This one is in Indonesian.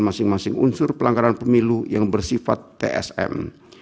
masing masing unsur pelanggaran pemilu yang bersifat tsm